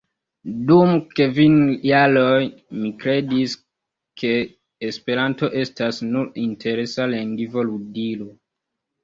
Dum kvin jaroj mi kredis, ke Esperanto estas nur interesa lingva ludilo.